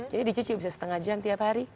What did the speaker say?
jadi dicuci bisa setengah jam tiap hari